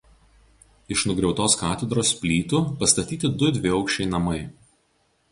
Iš nugriautos katedros plytų pastatyti du dviaukščiai namai.